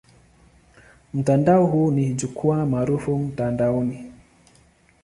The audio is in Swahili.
Mtandao huo ni jukwaa maarufu mtandaoni.